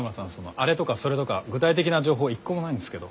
あれとかそれとか具体的な情報一個もないんですけど。